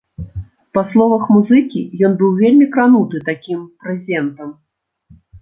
Па словах музыкі, ён быў вельмі крануты такім прэзентам.